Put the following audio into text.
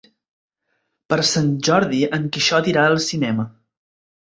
Per Sant Jordi en Quixot irà al cinema.